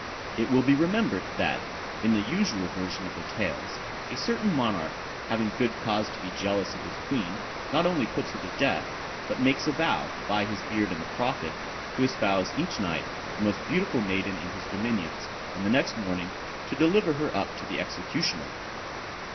It will be remembered, that, in the usual version of the tales, a certain monarch having good cause to be jealous of his queen, not only puts her to death, but makes a vow, by his beard and the prophet, to espouse each night the most beautiful maiden in his dominions, and the next morning to deliver her up to the executioner.